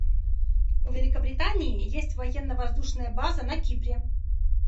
У Великобритании есть военно-воздушная база на Кипре.